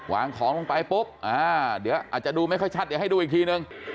วางของลงไปปุ๊บเดี๋ยวอาจจะดูไม่ค่อยชัดเดี๋ยวให้ดูอีกทีนึง